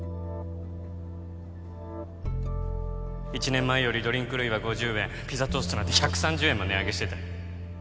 １年前よりドリンク類は５０円ピザトーストなんて１３０円も値上げしてた